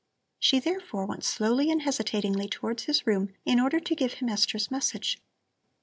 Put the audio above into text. She therefore went slowly and hesitatingly towards his room in order to give him Esther's message.